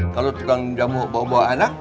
kalau tukang jamu bawa bawa anak